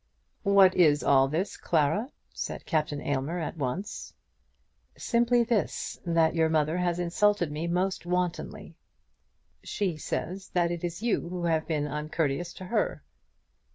"What is all this, Clara?" said Captain Aylmer, at once. "Simply this, that your mother has insulted me most wantonly." "She says that it is you who have been uncourteous to her."